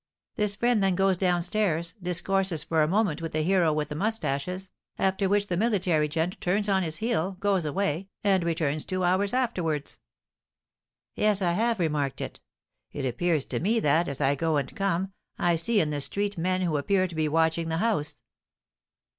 This friend then goes down stairs, discourses for a moment with the hero with moustaches, after which the military gent turns on his heel, goes away, and returns two hours afterwards." "Yes, I have remarked it. It appears to me that, as I go and come, I see in the street men who appear to be watching the house."